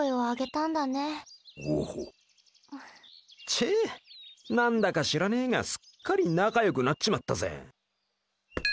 ちぇ何だか知らねえがすっかり仲良くなっちまったぜ。